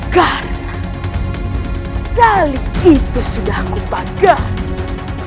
karena tali itu sudah aku pakai